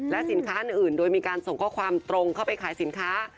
สินค้าอื่นโดยมีการส่งข้อความตรงเข้าไปขายสินค้า